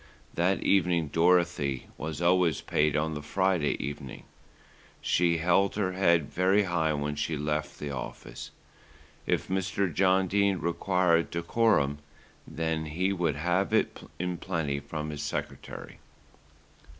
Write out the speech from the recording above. That evening, Dorothy was always paid on the Friday evening, she held her head very high when she left the office. If Mr. John Dene required decorum, then he should have it in plenty from his secretary.